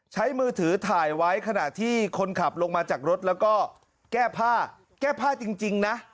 มือถือถ่ายไว้ขณะที่คนขับลงมาจากรถแล้วก็แก้ผ้าแก้ผ้าจริงนะ